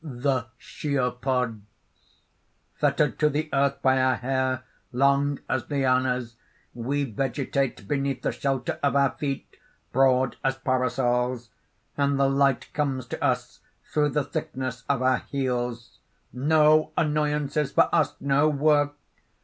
THE SCIAPODS: "Fettered to the earth by our hair, long as lianas, we vegetate beneath the shelter of our feet, broad as parasols; and the light comes to us through the thickness of our heels. No annoyances for us, no work!